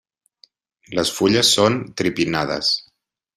Les fulles són tripinnades.